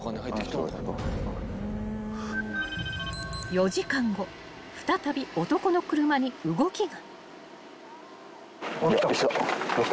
［４時間後再び男の車に動きが］